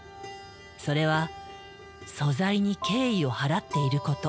それは素材に敬意を払っていること。